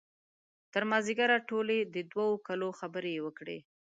تر مازدیګر ټولې د دوه کالو خبرې یې وکړې.